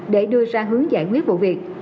để đưa ra hướng giải quyết vụ việc